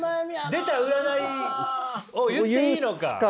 出た占いを言っていいのか。